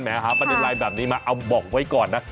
หาประเด็นไลน์แบบนี้มาเอาบอกไว้ก่อนนะ